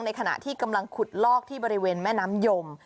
ขณะที่กำลังขุดลอกที่บริเวณแม่น้ำยม